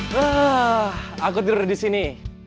wah aku tidur di sini